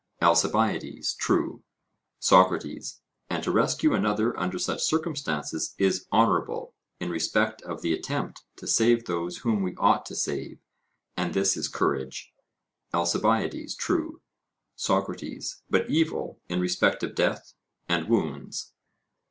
ALCIBIADES: True. SOCRATES: And to rescue another under such circumstances is honourable, in respect of the attempt to save those whom we ought to save; and this is courage? ALCIBIADES: True. SOCRATES: But evil in respect of death and wounds?